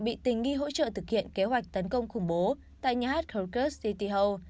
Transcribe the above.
bị tình nghi hỗ trợ thực hiện kế hoạch tấn công khủng bố tại nhà hát krochers city hall